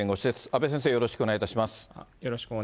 阿部先生、よろしくお願いいたします。